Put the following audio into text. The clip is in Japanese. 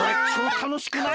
たのしくない？